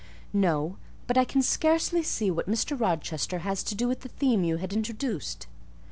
"No; but I can scarcely see what Mr. Rochester has to do with the theme you had introduced."